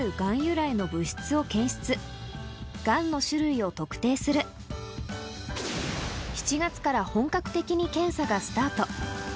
由来の物質を検出がんの種類を特定する７月から本格的に検査がスタート